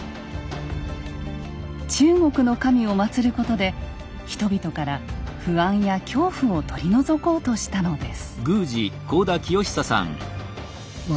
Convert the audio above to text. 中国の神を祭ることで人々から不安や恐怖を取り除こうしたのです。